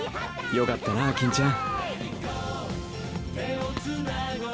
よかったな金ちゃん。